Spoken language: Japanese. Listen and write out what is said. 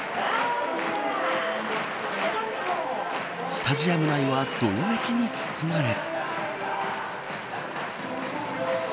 スタジアム内はどよめきに包まれ。